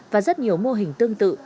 và rất nhiều mô hình tương tự